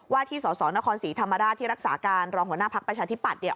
ว่าที่สศนครศรีธรรมดาที่รักษาการรองหัวหน้าภักษ์ประชาธิปัตย์